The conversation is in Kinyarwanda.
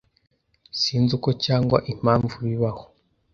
Sinzi uko cyangwa impamvu bibaho.